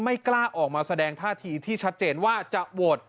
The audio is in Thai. ไม่กล้าออกมาแสดงท่าทีที่ชัดเจนว่าจะโหวต